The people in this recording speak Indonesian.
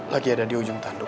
lagi ada di ujung tanduk